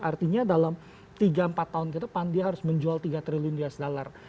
artinya dalam tiga empat tahun ke depan dia harus menjual tiga triliun usd